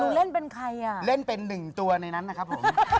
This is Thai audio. นุ้นเล่นเป็นใครเล่นเป็น๑ตัวในนั้นนะครับผม